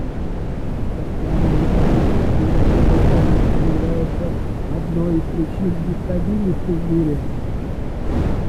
Распространение обычных видов вооружений является одной из причин нестабильности в мире.